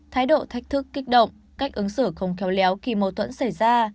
thái độ thách thức kích động cách ứng xử không khéo léo khi mâu thuẫn xảy ra